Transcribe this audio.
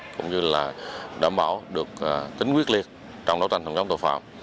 cũng như là đảm bảo được tính quyết liệt trong đấu tranh phòng chống tội phạm